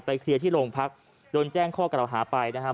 ไปเคลียร์ที่โรงพักษ์โดนแจ้งข้อกระหว่าหาไปนะฮะ